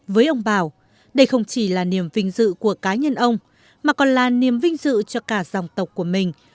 với ông bảo đây không chỉ là niềm vinh dự của cá nhân ông mà còn là niềm vinh dự cho cả dòng tộc của mình